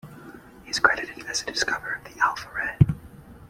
He is credited as a discoverer of the alpha ray.